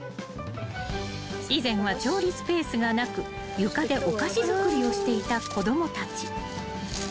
［以前は調理スペースがなく床でお菓子作りをしていた子供たち］